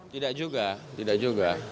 tidak juga tidak juga